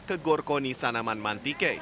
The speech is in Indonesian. ke gorkoni sanaman mantike